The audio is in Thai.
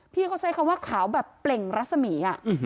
พี่เขาใช้คำว่าขาวแบบเปล่งรัศมี